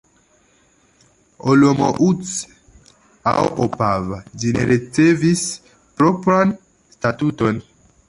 Olomouc aŭ Opava ĝi ne ricevis propran statuton.